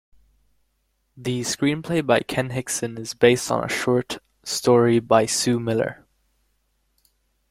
The screenplay by Ken Hixon is based on a short story by Sue Miller.